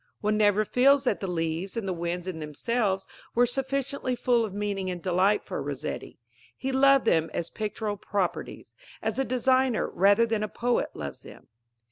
One never feels that the leaves and the winds in themselves were sufficiently full of meaning and delight for Rossetti. He loved them as pictorial properties as a designer rather than a poet loves them.